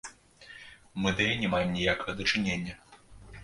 Мы да яе не маем ніякага дачынення.